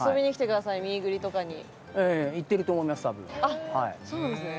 あっそうなんですね。